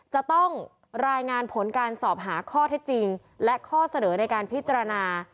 จะต้องรายงานผลการสอบหาข้อเท็จจริงและข้อเสนอในการพิจารณา